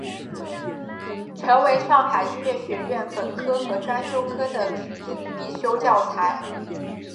成为上海音乐学院本科和专修科的指定必修教材。